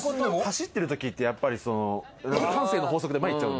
走ってる時ってやっぱり慣性の法則で前に行っちゃう。